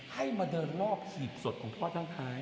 ให้มาเดินรอบหีบสดของพ่อท่านคลาย